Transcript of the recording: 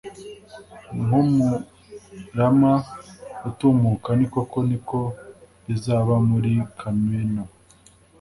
nk umurama utumuka ni koko ni ko bizaba muri kamena